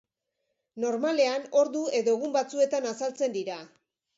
Normalean, ordu edo egun batzuetan azaltzen dira.